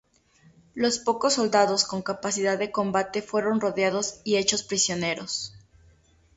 Los pocos soldados con capacidad de combate fueron rodeados y hechos prisioneros.